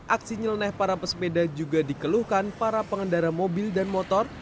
aksi nyeleneh para pesepeda juga dikeluhkan para pengendara mobil dan motor